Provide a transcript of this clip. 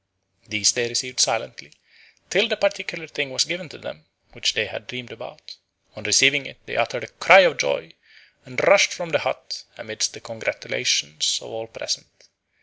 These they received silently, till the particular thing was given them which they had dreamed about. On receiving it they uttered a cry of joy and rushed from the hut, amid the congratulations of all present.